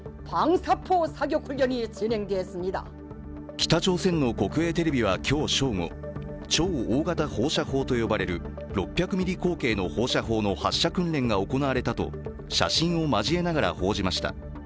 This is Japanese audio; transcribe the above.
北朝鮮の国営テレビは今日正午、超大型放射砲と呼ばれる６００ミリ口径の放射砲の発射訓練が行われたと写真を交えながら報じました。